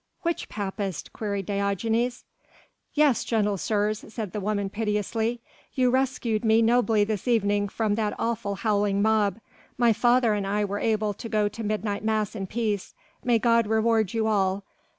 "Which Papist?" queried Diogenes. "Yes, gentle sirs," said the woman piteously, "you rescued me nobly this evening from that awful, howling mob. My father and I were able to go to midnight mass in peace. May God reward you all.